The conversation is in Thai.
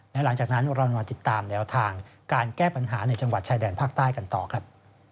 และหลังจากนั้นเรามาติดตามแนวทางการแก้ปัญหาในจังหวัดชายแดนภาคใต้กันต่อครับ